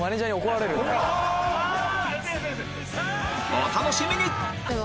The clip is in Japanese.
お楽しみに！